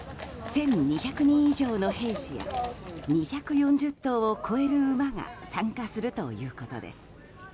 １２００人以上の兵士や２４０頭を超える馬が参加するということです。